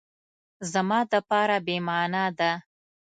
زما دپاره بی معنا ده